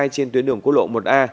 trên tuyến đường cố lộ một a